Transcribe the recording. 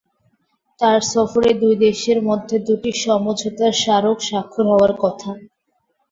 তাঁর সফরে দুই দেশের মধ্যে দুটি সমঝোতা স্মারক স্বাক্ষর হওয়ার কথা।